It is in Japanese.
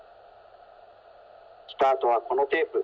スタートはこのテープ。